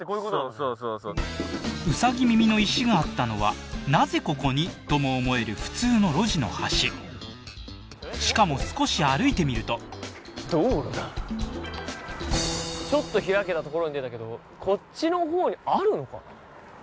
そうそうそうウサギ耳の石があったのはなぜここに？とも思える普通の路地の端しかも少し歩いてみると道路だちょっと開けた所に出たけどこっちの方にあるのかな？